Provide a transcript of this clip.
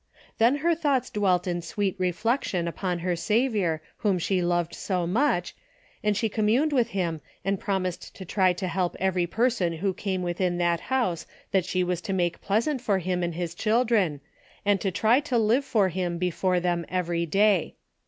Then her thoughts dwelt in sweet reflection upon her Saviour whom she loved so much, and she communed with him and promised to try to help every person who came within that house that she was to make pleasant for him and his chil dren, and to try to live for him before them every day.